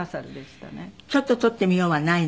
ちょっと撮ってみようはないの？